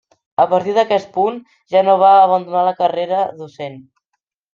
A partir d'aquest punt, ja no va abandonar la carrera docent.